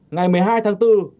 ngày một mươi hai tháng bốn